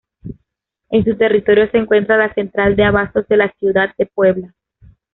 En su territorio se encuentra la Central de abastos de la Ciudad de Puebla.